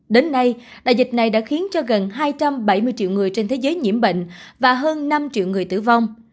đến nay đại dịch này đã khiến cho gần hai trăm bảy mươi triệu người trên thế giới nhiễm bệnh và hơn năm triệu người tử vong